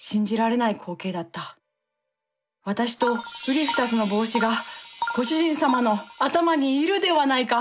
私とうり二つの帽子がご主人様の頭にいるではないか。